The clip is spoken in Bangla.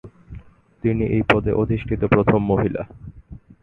তিনি এই পদে অধিষ্ঠিত প্রথম মহিলা।